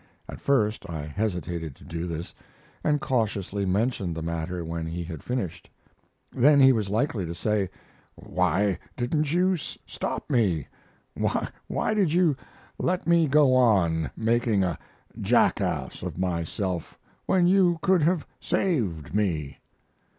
At first I hesitated to do this, and cautiously mentioned the matter when he had finished. Then he was likely to say: "Why didn't you stop me? Why did you let me go on making a jackass of myself when you could have saved me?"